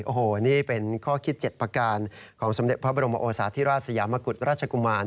โอ้โหนี่เป็นข้อคิด๗ประการของสมเด็จพระบรมโอสาธิราชสยามกุฎราชกุมาร